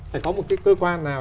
phải có một cái cơ quan nào